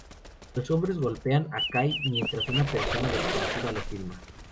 Los hombres golpean a Kai mientras una persona desconocida lo filma.